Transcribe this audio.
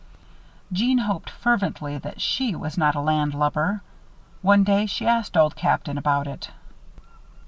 Jeanne hoped fervently that she was not a landlubber. One day, she asked Old Captain about it.